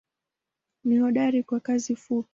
Ni hodari kwa kazi fupi.